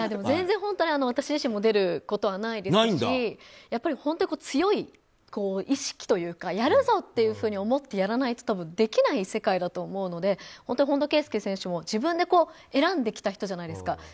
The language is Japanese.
全然本当に私自身も出ることはないですし本当に強い意識というかやるぞ！と思ってやらないと多分、できない世界だと思うので本当に本田圭佑選手も自分で選んできた人じゃないですか。